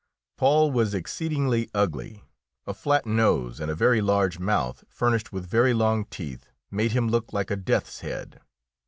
Paul was exceedingly ugly. A flat nose, and a very large mouth furnished with very long teeth, made him look like a death's head.